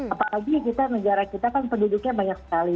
apalagi kita negara kita kan penduduknya banyak sekali